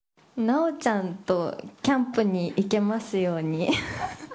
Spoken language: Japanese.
奈緒ちゃんとキャンプに行けますように。